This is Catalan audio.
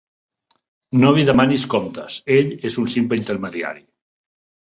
No li demanis comptes: ell és un simple intermediari.